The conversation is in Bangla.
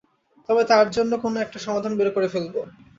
তবে, তার জন্য কোনো একটা সমাধান বের করে ফেলবো।